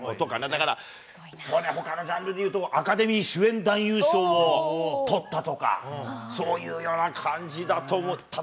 だからそうね、他のジャンルでいうとアカデミー主演男優賞をとったとか、そういうような感じだと思った。